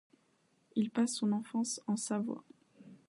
Il passe son enfance en Savoie.